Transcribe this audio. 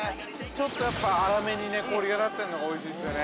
ちょっとやっぱり粗目に氷が立っているのがおいしいですよね。